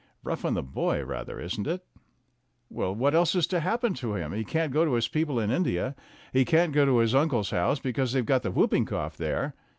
Rough on the boy, rather, isn't it ?" "Well, what else is to happen to him? He can't go to his people in India. He can't go to his uncle's house, because they've got the whooping cough there.